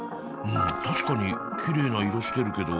うん確かにきれいな色してるけど。